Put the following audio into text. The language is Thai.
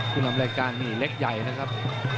นำรายการนี่เล็กใหญ่นะครับ